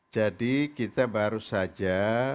jadi kita baru saja